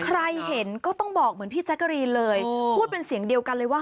ใครเห็นก็ต้องบอกเหมือนพี่แจ๊กกะรีนเลยพูดเป็นเสียงเดียวกันเลยว่า